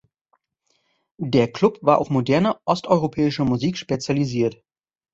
Der Club war auf moderne osteuropäische Musik spezialisiert.